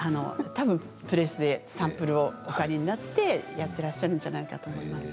たぶん、プレスでサンプルをお借りになってやってらっしゃるんじゃないかと思います。